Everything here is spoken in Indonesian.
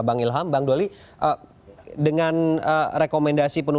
bang ilham bang doli kita break dulu